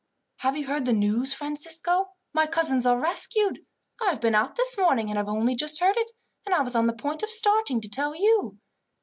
"Have you heard the news, Francisco? My cousins are rescued! I have been out this morning and have only just heard it, and I was on the point of starting to tell you."